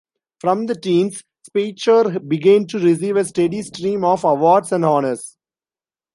From the teens, Speicher began to receive a steady stream of awards and honors.